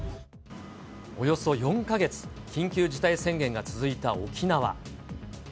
およそ４か月、緊急事態宣言が続いた沖縄。